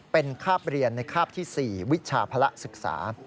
เป็นคาบเรียนในคาบที่๔วิชาภาระศึกษา